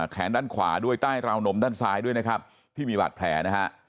แขนด้านขวาด้วยใต้ราวนมด้านซ้ายด้วยนะครับที่มีบาดแผลนะฮะ